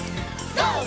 ＧＯ！